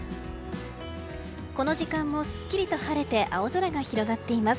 この時間もすっきりと晴れて青空が広がっています。